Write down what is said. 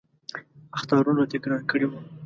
اخطارونه تکرار کړي وو.